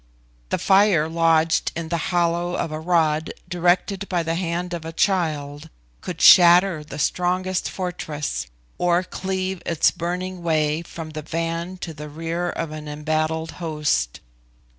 The fire lodged in the hollow of a rod directed by the hand of a child could shatter the strongest fortress, or cleave its burning way from the van to the rear of an embattled host.